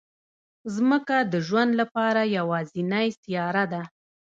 ځمکه د ژوند لپاره یوازینی سیاره ده